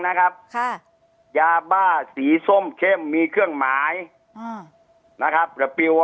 นะครับค่ะยาบ้าสีส้มเข้มมีเครื่องหมายอ่านะครับกระปิว